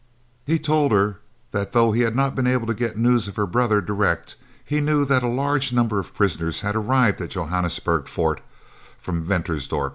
He told her that though he had not been able to get news of her brother direct, he knew that a large number of prisoners had arrived at the Johannesburg Fort from Ventersdorp.